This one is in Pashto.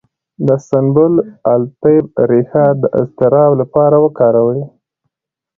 د سنبل الطیب ریښه د اضطراب لپاره وکاروئ